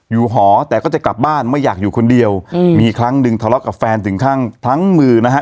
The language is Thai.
หอแต่ก็จะกลับบ้านไม่อยากอยู่คนเดียวอืมมีครั้งหนึ่งทะเลาะกับแฟนถึงขั้นทั้งมือนะฮะ